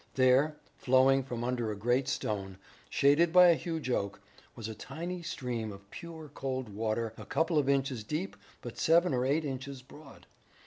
There, flowing from under a great stone, shaded by a huge oak, was a tiny stream of pure cold water a couple of inches deep but seven or eight inches broad.